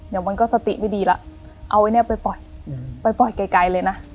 เดี๋ยวมันก็สติไม่ดีแล้วเอาไอ้เนี่ยไปปล่อยไปปล่อยไกลเลยนะ